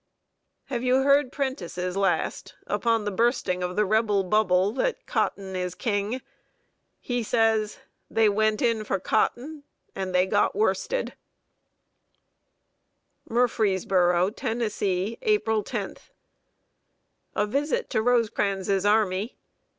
Have you heard Prentice's last, upon the bursting of the Rebel bubble that Cotton is King? He says: "They went in for cotton, and they got worsted!" [Sidenote: A Visit to Rosecrans's Army.] MURFREESBORO, TENNESSEE, April 10. A visit to Rosecrans's army.